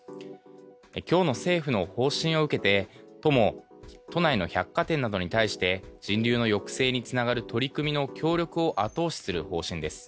今日の政府の方針を受けて都も都内の百貨店などに対して人流の抑制につながる取り組みを後押しする方針です。